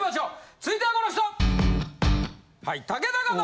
続いてはこの人！